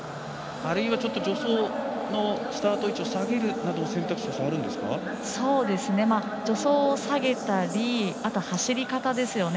あるいは、助走のスタート位置を下げるなどの助走を下げたり、あとは走り方ですよね。